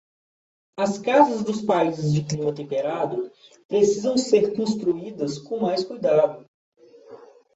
As casas dos países de clima temperado precisam ser construídas com mais cuidado